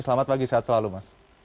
selamat pagi sehat selalu mas